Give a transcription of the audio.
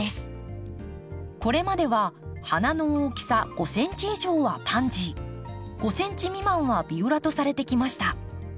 これまでは花の大きさ５ｃｍ以上はパンジー５ｃｍ未満はビオラとされてきました。